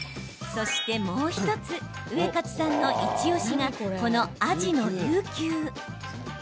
そして、もう１つウエカツさんのイチおしがこのアジのりゅうきゅう。